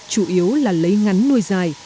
chủ yếu là lấy ngắn nuôi dài